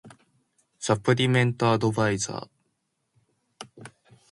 サプリメントアドバイザー